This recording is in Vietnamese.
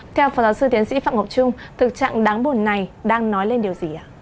theo phó giáo sư tiến sĩ phạm ngọc trung thực trạng đáng buồn này đang nói lên điều gì